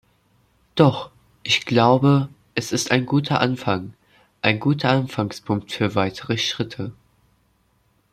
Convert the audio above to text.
Doch ich glaube, es ist ein guter Anfang, ein guter Ausgangspunkt für weitere Schritte.